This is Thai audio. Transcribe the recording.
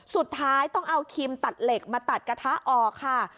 สุดท้ายต้องเอาครีมตัดเหล็กมาตัดกระทะออกค่ะ